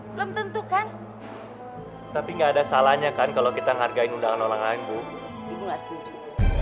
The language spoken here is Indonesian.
belum tentukan tapi enggak ada salahnya kan kalau kita menghargai undangan orang lain bu